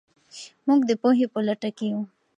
موږ د پوهې په لټه کې یو.